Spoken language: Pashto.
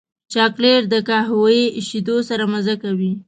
چاکلېټ د قهوې شیدو سره مزه کوي.